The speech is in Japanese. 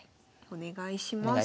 お願いします。